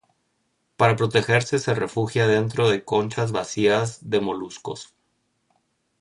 Para protegerse se refugia dentro de conchas vacías de moluscos.